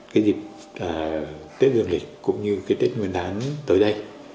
cái dịp tết dường lịch cũng như tết nguyên đáng tới đây